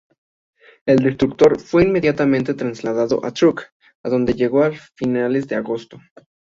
El destructor fue inmediatamente trasladado a Truk, a donde llegó a finales de agosto.